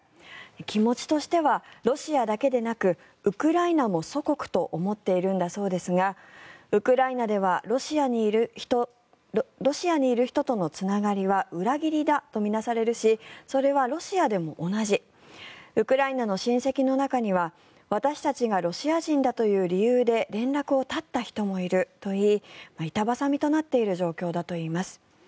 気持ちとしてはロシアだけでなくウクライナも祖国と思っているんだそうですがウクライナではロシアにいる人とのつながりは裏切りだと見なされるしそれはロシアでも同じウクライナの親戚の中には私たちがロシア人だという理由で連絡を絶った人もいるといい板挟みとなっている状況だといいます。